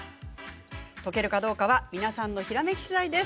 解けるかどうかは皆さんのひらめきしだいです。